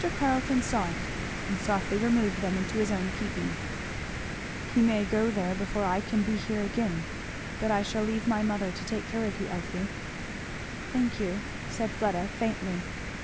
Carleton saw it and softly removed them into his own keeping. "He may go before I can be here again. But I shall leave my mother to take care of you, Elfie." "Thank you," said Fleda faintly.